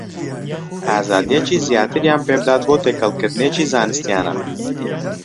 ئازادییەکی زیاتریان پێ بدات بۆ تێکەڵکردنێکی زانستییانە